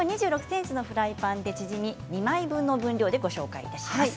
２６ｃｍのフライパンでチヂミ２枚分の分量でご紹介します。